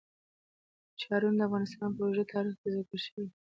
ښارونه د افغانستان په اوږده تاریخ کې ذکر شوی دی.